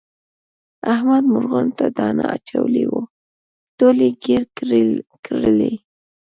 احمد مرغانو ته دانه اچولې وه ټولې یې ګیر کړلې.